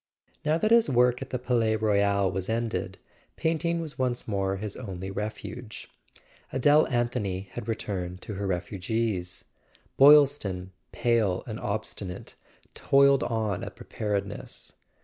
Now that his work at the Palais Royal was ended, painting was once more his only refuge. Adele Anthony had returned to her refugees; Boyl ston, pale and obstinate, toiled on at Preparedness.